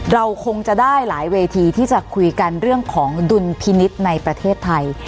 เราคงจะได้หลายเวทีที่จะคุยกันเรื่องของดุลพินิษฐ์ในประเทศไทย